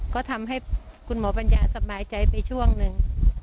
ก็ทำให้คุณหมอปัญญาสบายใจไปช่วงหนึ่ง